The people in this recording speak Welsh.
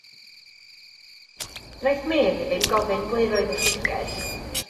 Wnaeth Mary ddim gofyn ble roedd y llyfrgell.